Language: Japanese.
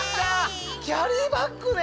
キャリーバッグね。